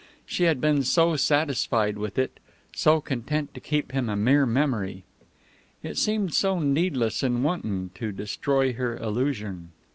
She had been so satisfied with it, so content to keep him a mere memory. It seemed so needless and wanton to destroy her illusion.